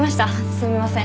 すみません